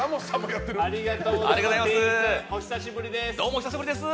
お久しぶりです。